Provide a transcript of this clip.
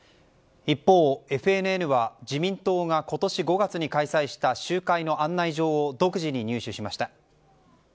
一方、ＦＮＮは自民党が今年５月に開催した集会の案内状を独自に入手しました。